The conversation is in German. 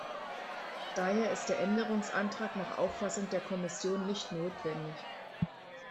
Daher ist der Änderungsantrag nach Auffassung der Kommission nicht notwendig.